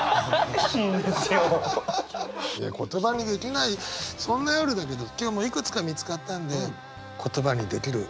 言葉にできないそんな夜だけど今日もいくつか見つかったんで言葉にできる朝が来たようです。